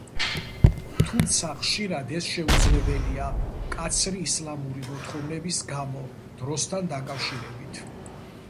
თუმცა ხშირად ეს შეუძლებელია მკაცრი ისლამური მოთხოვნების გამო დროსთან დაკავშირებით.